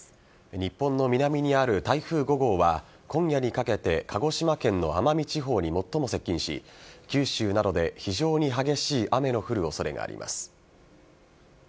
日本の南にある台風５号は今夜にかけて鹿児島県の奄美地方に最も接近し九州などで非常に激しい雨の降る恐れがあります。